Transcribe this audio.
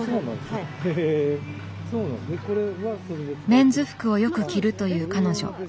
メンズ服をよく着るという彼女。